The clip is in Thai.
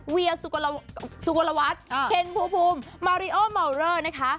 เวียสุกลวัสเคนภูพูมมาริโอมอวร์เนอร์นะคะ